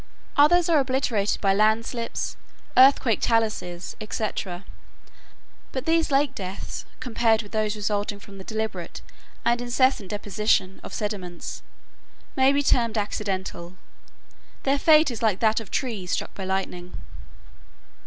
Others are obliterated by land slips, earthquake taluses, etc., but these lake deaths compared with those resulting from the deliberate and incessant deposition of sediments, may be termed accidental. Their fate is like that of trees struck by lightning.